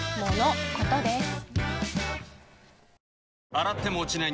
洗っても落ちない